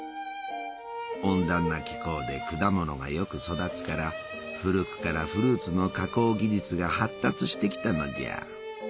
温暖な気候で果物がよく育つから古くからフルーツの加工技術が発達してきたのじゃ。